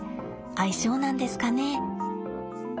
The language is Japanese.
相性なんですかね。